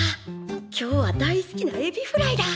今日は大好きなエビフライだ！